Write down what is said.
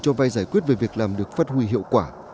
cho vay giải quyết về việc làm được phát huy hiệu quả